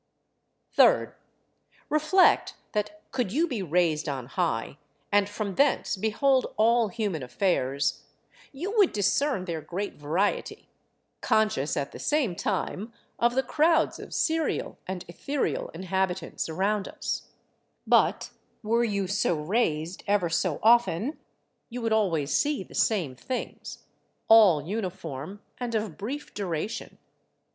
Third, reflect that could you be raised on high, and from thence behold all human affairs, you would discern their great variety, conscious at the same time of the crowds of serial and etherial inhabitants around us; but were you so raised ever so often, you would always see the same things, all uniform and of brief duration.